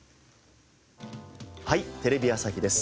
『はい！テレビ朝日です』